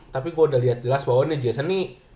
tapi gua udah liat jelas bahwa nih jason nih